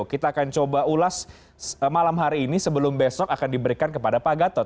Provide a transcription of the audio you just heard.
kita akan coba ulas malam hari ini sebelum besok akan diberikan kepada pak gatot